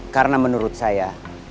karena menurut saya